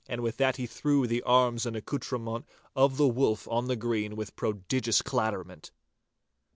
And with that he threw the arms and accoutrement of the Wolf on the green with prodigious clatterment.